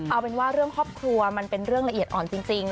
เอาเป็นว่าเรื่องครอบครัวมันเป็นเรื่องละเอียดอ่อนจริง